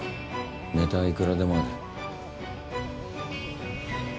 ネタはいくらでもある。